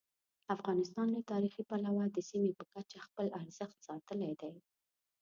افغانستان له تاریخي پلوه د سیمې په کچه خپل ارزښت ساتلی دی.